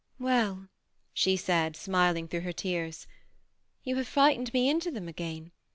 " Well," she said, smiling through her tears, " you have frightened me into them again.